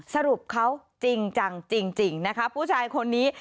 สรุปเขาจริงจังจริงนะคะผู้ชายคนนี้